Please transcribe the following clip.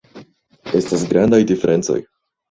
Estas grandaj diferencoj.